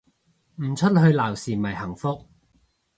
唔出去鬧事咪幸福